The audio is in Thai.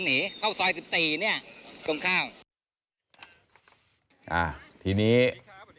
ถ้าเขาถูกจับคุณอย่าลืม